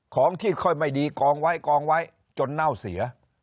ของที่ค่อยไม่ดีกองไว้กองไว้จนเน่าเสีย